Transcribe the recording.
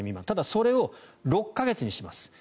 ただ、それを６か月にします。